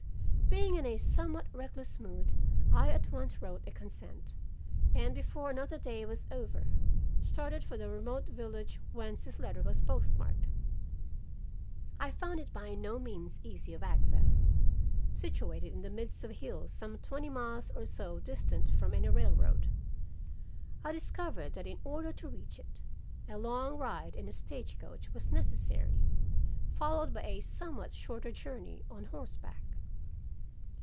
"Being in a somewhat reckless mood I at once wrote a consent, and before another day was over, started for the remote village whence his letter was postmarked. I found it by no means easy of access. Situated in the midst of hills some twenty miles or so distant from any railroad, I discovered that in order to reach it, a long ride in a stage coach was necessary, followed by a somewhat shorter journey on horseback.